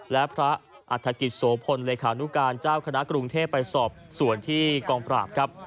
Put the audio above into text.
และพระอัฐกิจโสพลเลขานุการเจ้าคณะกรุงเทพไปสอบส่วนที่กองปราบครับ